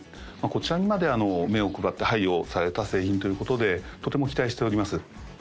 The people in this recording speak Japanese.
こちらにまで目を配って配慮された製品ということでとても期待しております